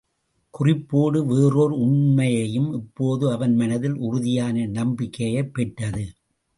குறிப்போடு வேறோர் உண்மையும் இப்போது அவன் மனத்தில் உறுதியான நம்பிக்கையைப் பெற்றது.